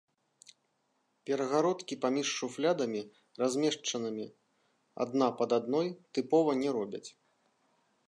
Перагародкі паміж шуфлядамі, размешчанымі адна пад адной, тыпова не робяць.